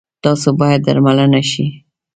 تاسو باید درملنه شی